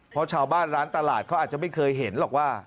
เพราะชาวบ้านร้านตลาดเขาอาจจะไม่เคยเห็นหรอกว่า